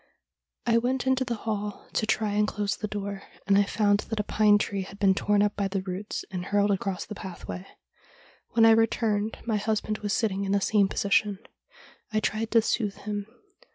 ' I went into the hall to try and close the door, and I found that a pine tree had been torn up by the roots, and hurled across the pathway. When I returned my husband was sit ting in the same position. I tried to soothe him.